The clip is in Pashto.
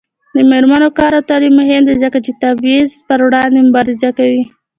د میرمنو کار او تعلیم مهم دی ځکه چې تبعیض پر وړاندې مبارزه کوي.